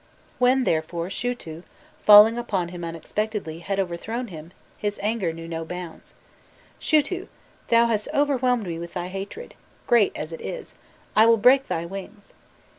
When, therefore, Shutu, falling upon him unexpectedly, had overthrown him, his anger knew no bounds: "'Shutu, thou hast overwhelmed me with thy hatred, great as it is, I will break thy wings!